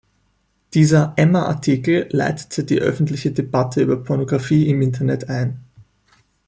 Dieser "Emma"-Artikel leitete die öffentliche Debatte über Pornografie im Internet ein.